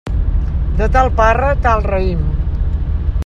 De tal parra, tal raïm.